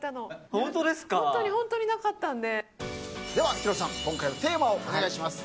ヒロさん、今回のテーマをお願いします。